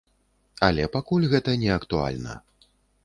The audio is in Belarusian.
Але пакуль гэта не актуальна.